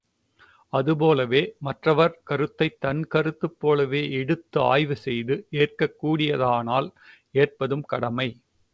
அது போலவே மற்றவர் கருத்தைத் தன் கருத்துப்போலவே எடுத்தாய்வு செய்து ஏற்கக் கூடியதானால் ஏற்பதும் கடமை.